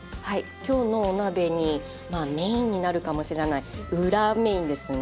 今日のお鍋にまあメインになるかもしれない裏メインですね。